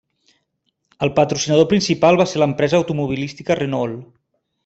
El patrocinador principal va ser l'empresa automobilística Renault.